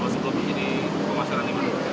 sebelum menjadi pemasaran di mana